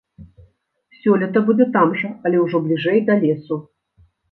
Сёлета будзе там жа, але ўжо бліжэй да лесу.